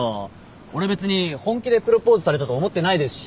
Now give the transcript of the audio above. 俺別に本気でプロポーズされたと思ってないですし。